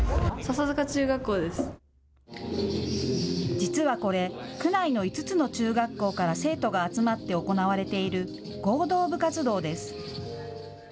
実はこれ区内の５つの中学校から生徒が集まって行われている合同部活動です。